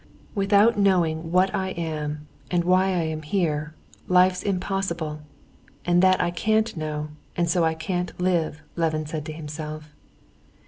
"Without knowing what I am and why I am here, life's impossible; and that I can't know, and so I can't live," Levin said to himself.